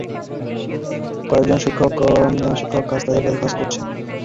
কয়েকজন শিক্ষক বেত হাতে শিক্ষার্থীদের সুশৃঙ্খলভাবে দাঁড় করানোর কাজ তদারক করছেন।